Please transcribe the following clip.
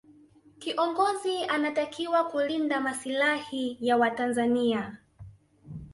kiongozi anatakiwa kulinde masilahi ya watanzania